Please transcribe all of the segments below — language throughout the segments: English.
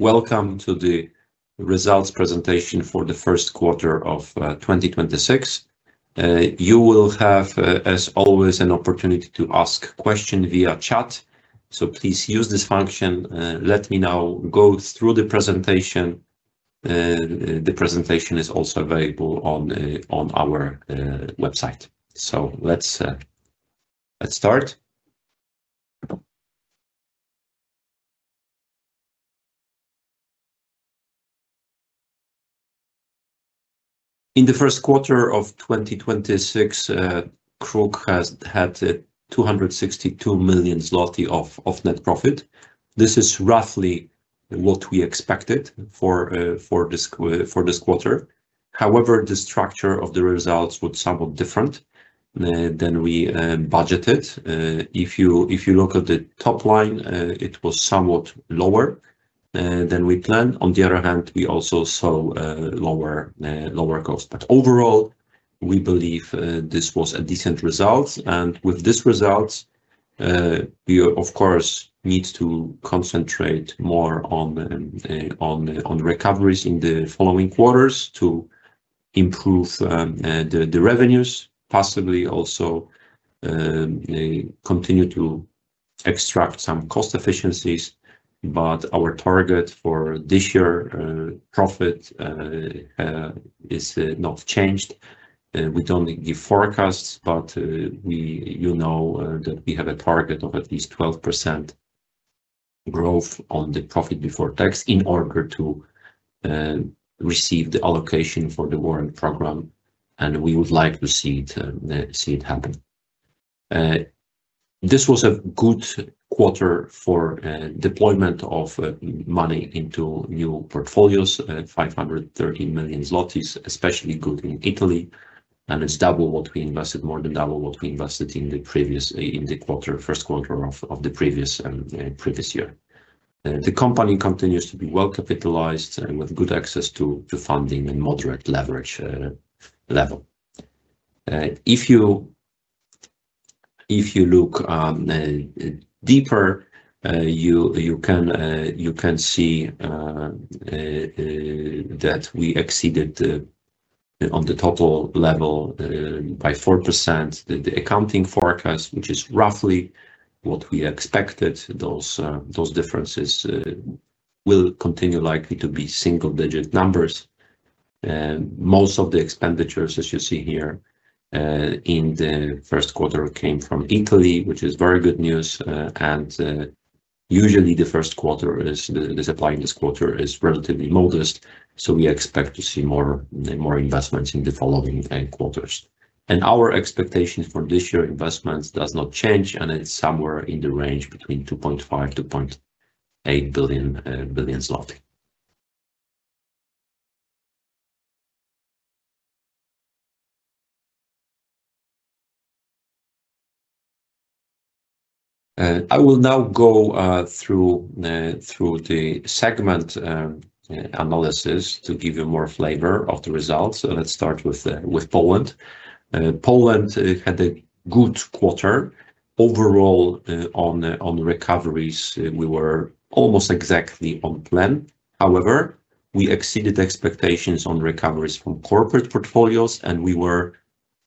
Welcome to the results presentation for the Q1 of 2026. You will have, as always, an opportunity to ask question via chat, so please use this function. Let me now go through the presentation. The presentation is also available on our website. Let's start. In the Q1 of 2026, KRUK has had 262 million zloty of net profit. This is roughly what we expected for this quarter. However, the structure of the results was somewhat different than we budgeted. If you look at the top line, it was somewhat lower than we planned. On the other hand, we also saw lower cost. Overall, we believe this was a decent result, and with this result, we of course need to concentrate more on recoveries in the following quarters to improve the revenues, possibly also continue to extract some cost efficiencies. Our target for this year profit is not changed. We don't give forecasts, but we you know that we have a target of at least 12% growth on the profit before tax in order to receive the allocation for the warrant program, and we would like to see it happen. This was a good quarter for deployment of money into new portfolios, 530 million zlotys, especially good in Italy, and it's double what we invested, more than double what we invested in the previous, in the quarter, Q1 of the previous year. The company continues to be well-capitalized and with good access to funding and moderate leverage level. If you look deeper, you can see that we exceeded the, on the total level, by 4% the accounting forecast, which is roughly what we expected. Those differences will continue likely to be single-digit numbers. Most of the expenditures, as you see here, in the Q1 came from Italy, which is very good news. Usually the Q1 is, the supply in this quarter is relatively modest, so we expect to see more investments in the following quarters. Our expectation for this year investments does not change, and it's somewhere in the range between 2.5 billion, 2.8 billion zloty. I will now go through the segment analysis to give you more flavor of the results. Let's start with Poland. Poland had a good quarter overall on recoveries. We were almost exactly on plan. However, we exceeded expectations on recoveries from corporate portfolios, and we were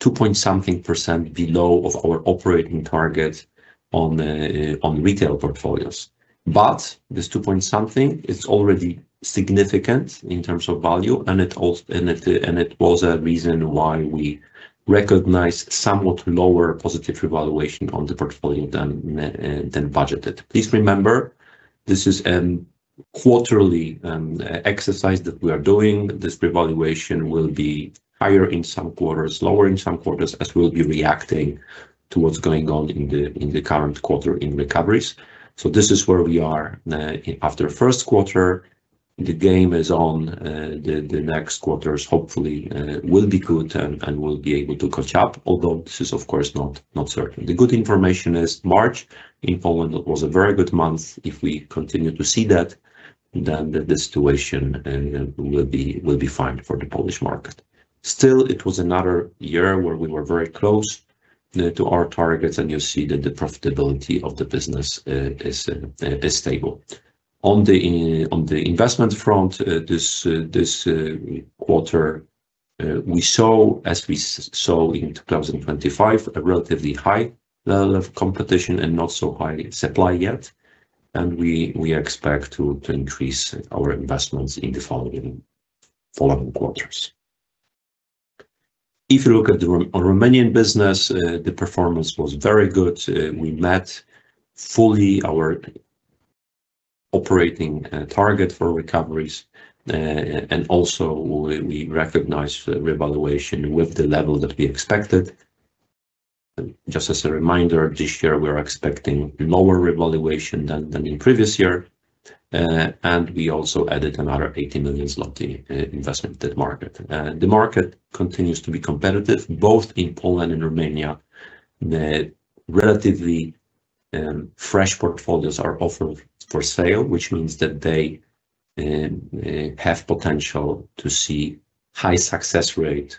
two-point-something percent below of our operating target on retail portfolios. This two-point-something is already significant in terms of value, and it was a reason why we recognized somewhat lower positive revaluation on the portfolio than budgeted. Please remember, this is a quarterly exercise that we are doing. This revaluation will be higher in some quarters, lower in some quarters as we'll be reacting to what's going on in the current quarter in recoveries. This is where we are after Q1. The game is on. The next quarters hopefully will be good and we'll be able to catch up, although this is of course not certain. The good information is March in Poland was a very good month. If we continue to see that, then the situation will be fine for the Polish market. Still, it was another year where we were very close to our targets, and you see that the profitability of the business is stable. On the investment front, this quarter, we saw, as we saw in 2025, a relatively high level of competition and not so high supply yet, and we expect to increase our investments in the following quarters. If you look at the Romanian business, the performance was very good. We met fully our operating target for recoveries, and also we recognized the revaluation with the level that we expected. Just as a reminder, this year we're expecting lower revaluation than in previous year. We also added another 80 million zloty investment to the market. The market continues to be competitive both in Poland and Romania. The relatively fresh portfolios are offered for sale, which means that they have potential to see high success rate,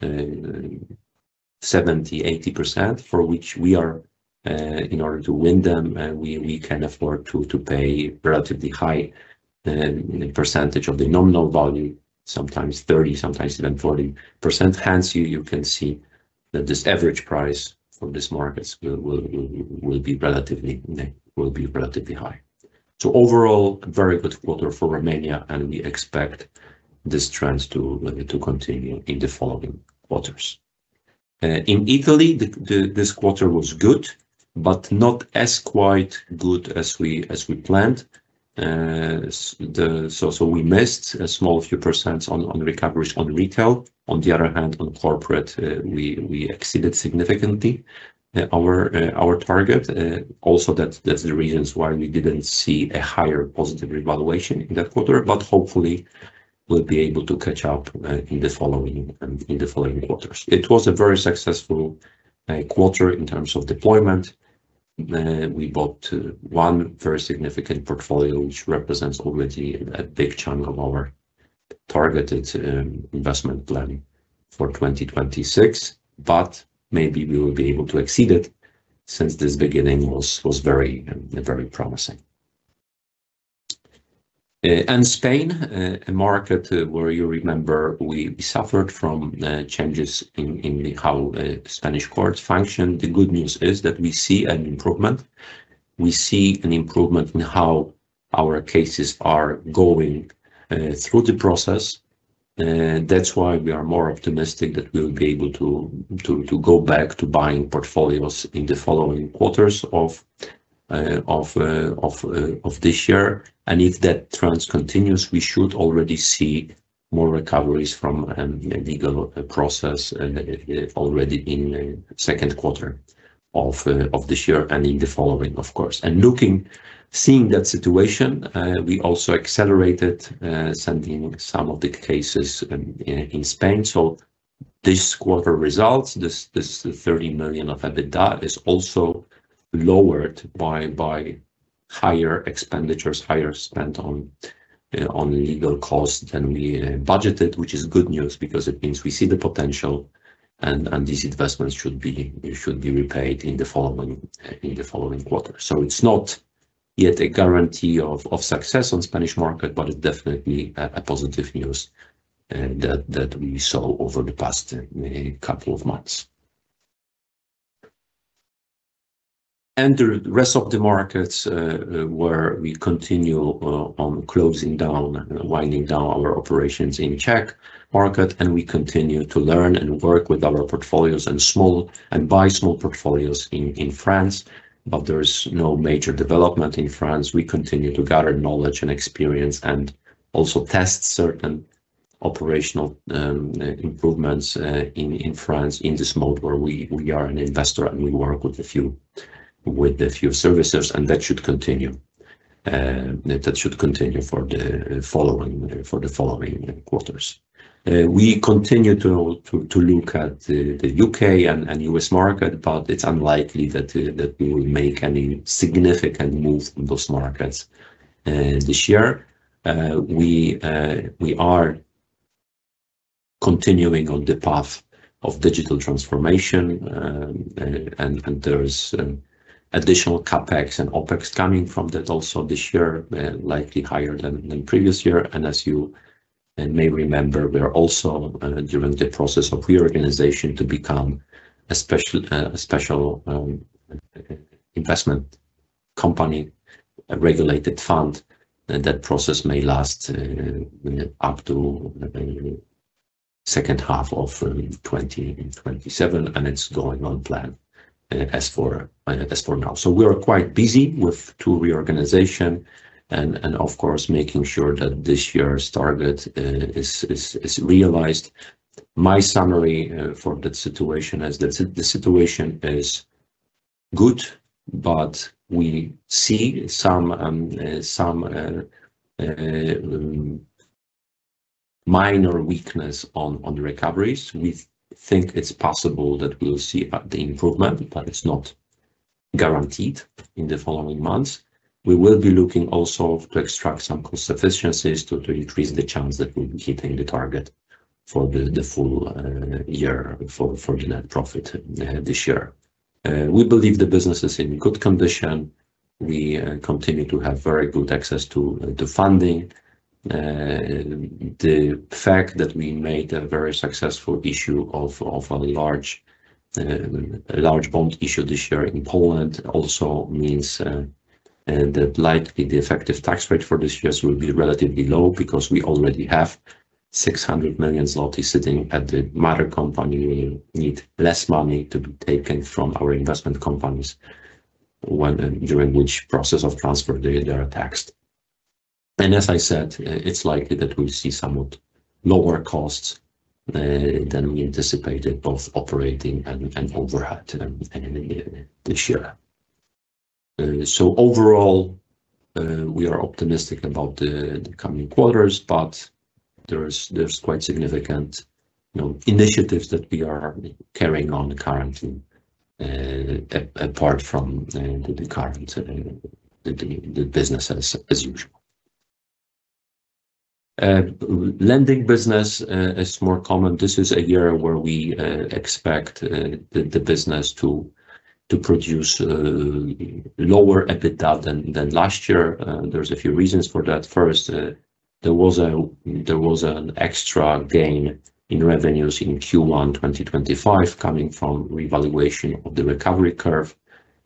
70%-80% for which we are in order to win them, we can afford to pay relatively high percentage of the nominal value. Sometimes 30%, sometimes even 40%. You can see that this average price for these markets will be relatively high. Overall, very good quarter for Romania, and we expect this trend to continue in the following quarters. In Italy, this quarter was good, but not as quite good as we planned. So we missed a small few percent on recoveries on retail. On the other hand, on corporate, we exceeded significantly our target. Also that's the reasons why we didn't see a higher positive revaluation in that quarter. Hopefully, we'll be able to catch up in the following quarters. It was a very successful quarter in terms of deployment. We bought one very significant portfolio, which represents already a big chunk of our targeted investment plan for 2026. Maybe we will be able to exceed it since this beginning was very promising. Spain, a market where you remember we suffered from changes in how Spanish courts function. The good news is that we see an improvement. We see an improvement in how our cases are going through the process. That's why we are more optimistic that we'll be able to go back to buying portfolios in the following quarters of this year. If that trend continues, we should already see more recoveries from the legal process already in Q2 of this year and in the following of course. Seeing that situation, we also accelerated sending some of the cases in Spain. This quarter's results, this 30 million of EBITDA is also lowered by higher expenditures, higher spend on legal costs than we budgeted, which is good news because it means we see the potential and these investments should be repaid in the following quarter. It's not yet a guarantee of success on Spanish market, but it's definitely a positive news that we saw over the past couple of months. The rest of the markets where we continue on closing down and winding down our operations in Czech market, and we continue to learn and work with our portfolios and small, and buy small portfolios in France. There's no major development in France. We continue to gather knowledge and experience and also test certain operational improvements in France, in this mode where we are an investor and we work with a few servicers, that should continue. That should continue for the following quarters. We continue to look at the U.K. and U.S. market, but it's unlikely that we will make any significant moves in those markets this year. We are continuing on the path of digital transformation, and there's additional CapEx and OpEx coming from that also this year, likely higher than previous year. As you may remember, we are also during the process of reorganization to become a special investment company, a regulated fund. That process may last up to H2 of 2027, and it's going on plan as for now. We are quite busy with two reorganization and of course, making sure that this year's target is realized. My summary for that situation is the situation is good, but we see some minor weakness on the recoveries. We think it's possible that we'll see the improvement, but it's not guaranteed in the following months. We will be looking also to extract some cost efficiencies to increase the chance that we'll be hitting the target for the full year for the net profit this year. We believe the business is in good condition. We continue to have very good access to funding. The fact that we made a very successful issue of a large bond issue this year in Poland also means that likely the effective tax rate for this year will be relatively low because we already have 600 million zloty sitting at the mother company. We need less money to be taken from our investment companies, when during which process of transfer they are taxed. As I said, it's likely that we'll see somewhat lower costs than we anticipated, both operating and overhead this year. Overall, we are optimistic about the coming quarters, but there's quite significant, you know, initiatives that we are carrying on currently, apart from the current the business as usual. Lending business is more common. This is a year where we expect the business to produce lower EBITDA than last year. There's a few reasons for that. First, there was an extra gain in revenues in Q1 2025 coming from revaluation of the recovery curve.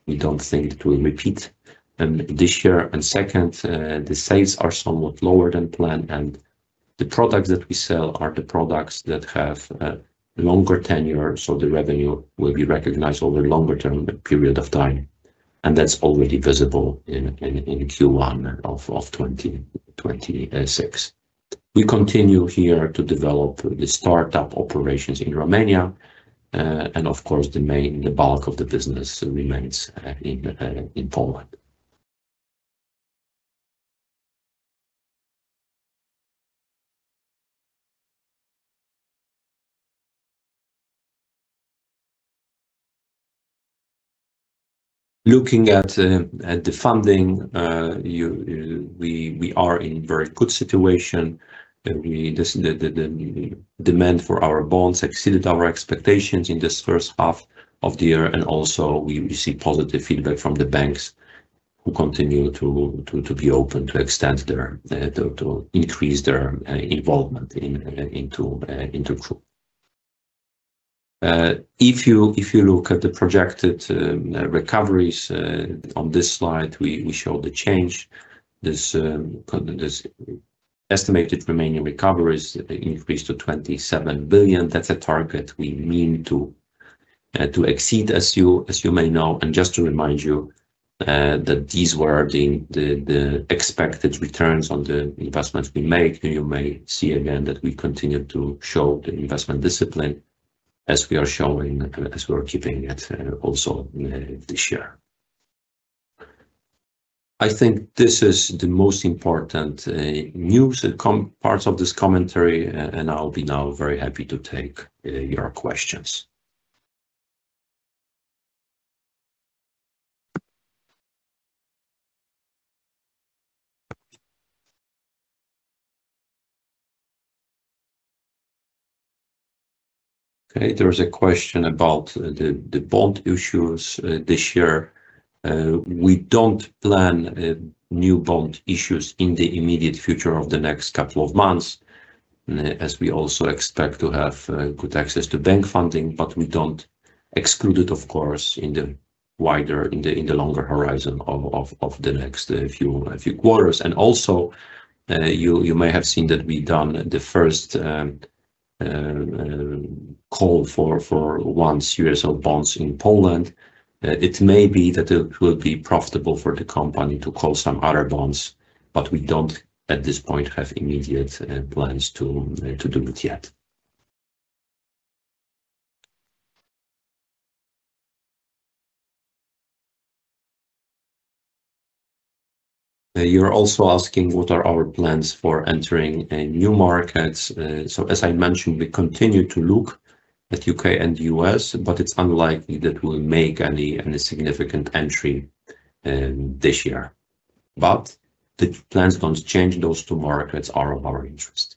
We don't think it will repeat this year. Second, the sales are somewhat lower than planned, and the products that we sell are the products that have longer tenure, so the revenue will be recognized over a longer term period of time, and that's already visible in Q1 of 2026. We continue here to develop the startup operations in Romania. Of course, the bulk of the business remains in Poland. Looking at the funding, we are in very good situation. The demand for our bonds exceeded our expectations in this H1 of the year, and also we receive positive feedback from the banks who continue to be open to increase their involvement in KRUK. If you look at the projected recoveries on this slide, we show the change. This estimated remaining recoveries increased to 27 billion. That's a target we mean to exceed, as you may know. Just to remind you that these were the expected returns on the investments we make. You may see again that we continue to show the investment discipline as we are showing as we are keeping it also this year. I think this is the most important news parts of this commentary, and I'll be now very happy to take your questions. Okay, there is a question about the bond issues this year. We don't plan a new bond issues in the immediate future of the next couple of months, as we also expect to have good access to bank funding, but we don't exclude it, of course, in the wider, in the longer horizon of the next few quarters. Also, you may have seen that we done the first call for one series of bonds in Poland. It may be that it will be profitable for the company to call some other bonds, but we don't, at this point, have immediate plans to do it yet. You're also asking what are our plans for entering new markets. As I mentioned, we continue to look at U.K. and U.S., but it's unlikely that we'll make any significant entry this year. The plans don't change. Those two markets are of our interest.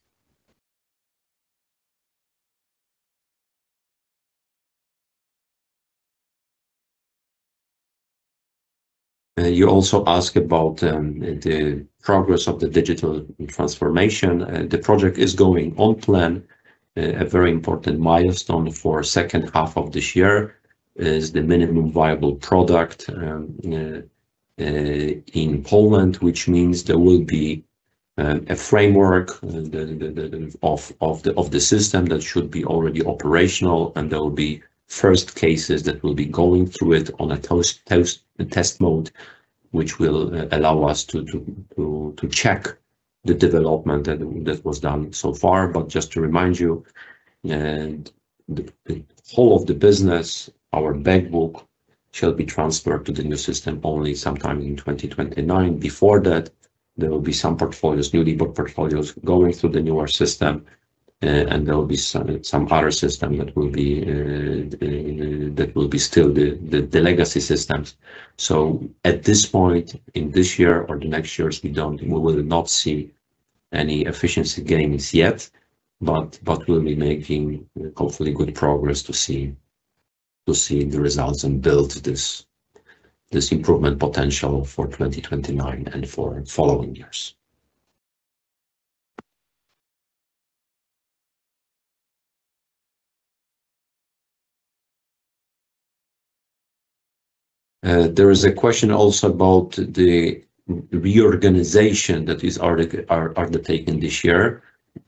You also ask about the progress of the digital transformation. The project is going on plan. A very important milestone for H2 of this year is the Minimum Viable Product in Poland, which means there will be a framework of the system that should be already operational, and there will be first cases that will be going through it on a test mode, which will allow us to check the development that was done so far. Just to remind you, the whole of the business, our bank book shall be transferred to the new system only sometime in 2029. Before that, there will be some portfolios, newly booked portfolios, going through the newer system, and there will be some other system that will be still the legacy systems. At this point in this year or the next years, we will not see any efficiency gains yet, but we'll be making hopefully good progress to see the results and build this improvement potential for 2029 and for following years. There is a question also about the reorganization that is already undertaken this year.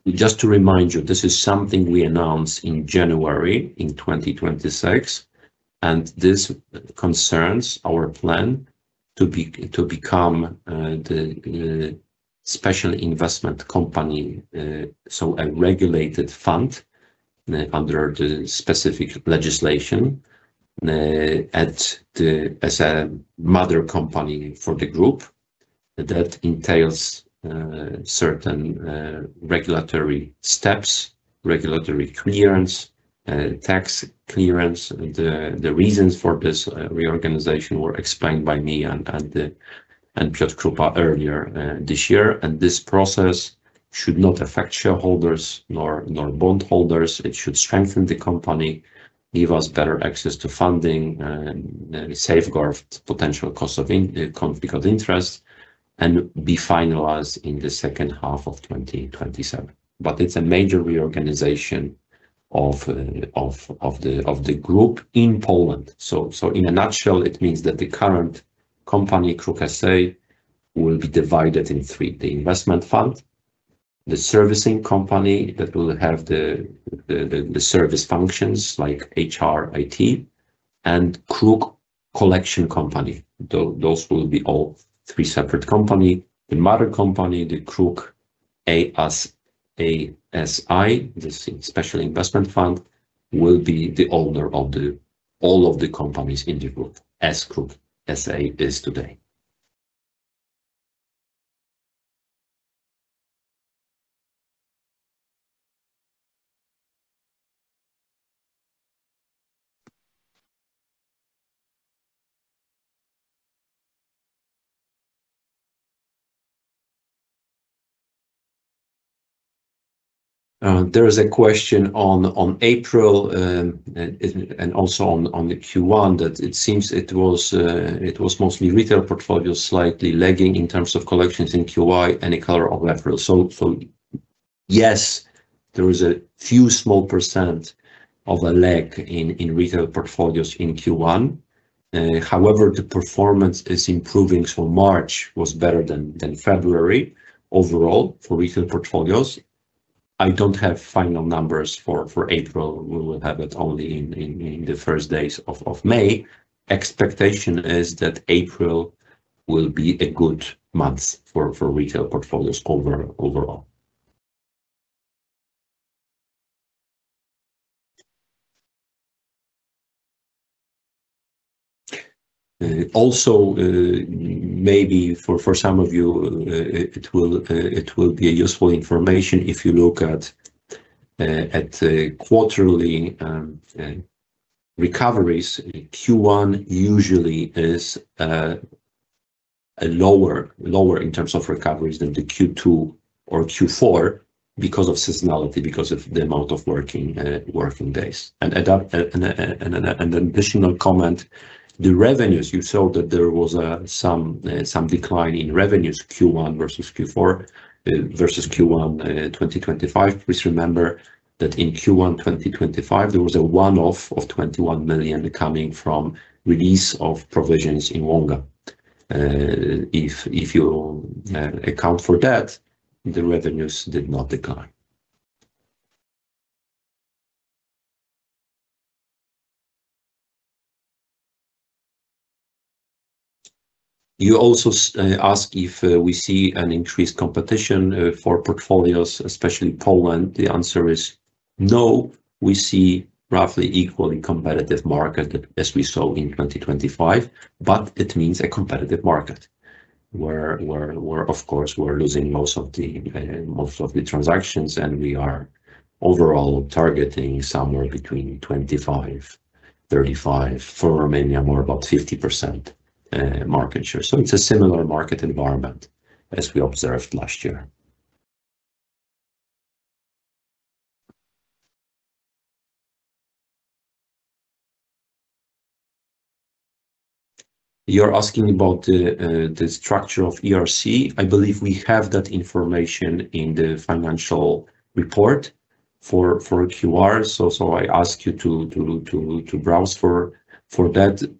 Just to remind you, this is something we announced in January in 2026, and this concerns our plan to become the Alternative Investment Company, so a regulated fund under the specific legislation as a mother company for the group. That entails certain regulatory steps, regulatory clearance. Tax clearance. The reasons for this reorganization were explained by me and Piotr Krupa earlier this year. This process should not affect shareholders nor bondholders. It should strengthen the company, give us better access to funding, and safeguard potential cost of interest, and be finalized in the H2 of 2027. It's a major reorganization of the group in Poland. In a nutshell, it means that the current company, KRUK S.A., will be divided in three. The investment fund, the servicing company that will have the service functions like HR, IT, and KRUK collection company. Those will be all three separate companies. The mother company, the KRUK ASI, the Special Investment Fund, will be the owner of all of the companies in the group, as KRUK S.A. is today. There is a question on April and also on the Q1 that it seems it was mostly retail portfolio slightly lagging in terms of collections in Q1. Any color on that, please? Yes, there is a few small percent of a lag in retail portfolios in Q1. However, the performance is improving, so March was better than February overall for retail portfolios. I don't have final numbers for April. We will have it only in the first days of May. Expectation is that April will be a good month for retail portfolios overall. Also, maybe for some of you, it will be useful information if you look at the quarterly recoveries. Q1 usually is a lower in terms of recoveries than the Q2 or Q4 because of seasonality, because of the amount of working days. Additional comment, the revenues, you saw that there was some decline in revenues Q1 versus Q4 versus Q1 2025. Please remember that in Q1 2025, there was a one-off of 21 million coming from release of provisions in Wonga. If you account for that, the revenues did not decline. You also ask if we see an increased competition for portfolios, especially in Poland. The answer is no. We see roughly equally competitive market as we saw in 2025, but it means a competitive market where of course we're losing most of the transactions, and we are overall targeting somewhere between 25%-35%. For Romania, more about 50% market share. It's a similar market environment as we observed last year. You're asking about the structure of ERC. I believe we have that information in the financial report for Q1. So I ask you to browse for that.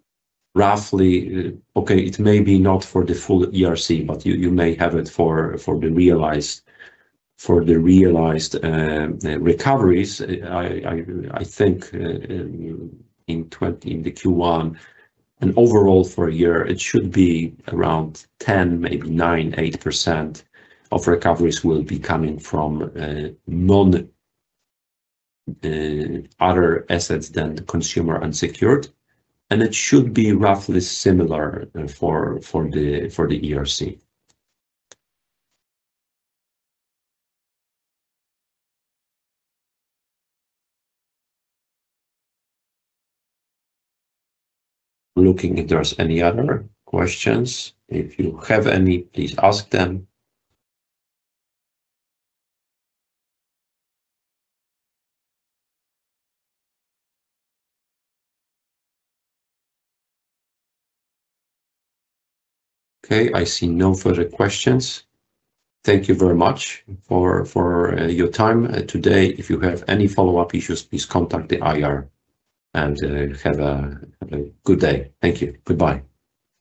Roughly, it may not be for the full ERC, but you may have it for the realized recoveries. I think in 2020 in the Q1 and overall for a year, it should be around 10%, maybe 9%, 8% of recoveries will be coming from non-other assets than consumer unsecured. It should be roughly similar for the ERC. Looking if there's any other questions. If you have any, please ask them. Okay, I see no further questions. Thank you very much for your time today. If you have any follow-up issues, please contact the IR. Have a good day. Thank you. Goodbye.